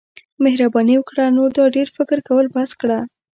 مهرباني وکړه نور دا ډیر فکر کول بس کړه.